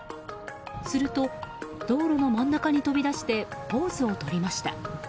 すると道路の真ん中に飛び出してポーズをとりました。